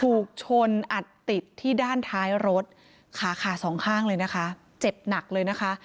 ถูกชนอัดติดที่ด้านท้ายรถขาขาสองข้างเลยนะคะเจ็บหนักเลยนะคะ